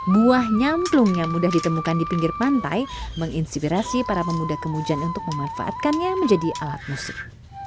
buah nyamplung yang mudah ditemukan di pinggir pantai menginspirasi para pemuda kemujan untuk memanfaatkannya menjadi alat musik